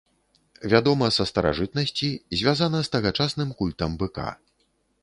Вядома са старажытнасці, звязана з тагачасным культам быка.